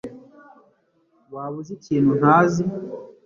Waba uzi ikintu ntazi